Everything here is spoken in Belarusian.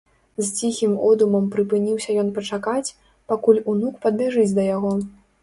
З ціхім одумам прыпыніўся ён пачакаць, пакуль унук падбяжыць да яго.